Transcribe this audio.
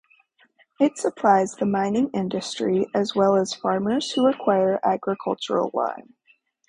It supplies the mining industry as well as farmers who require agricultural lime.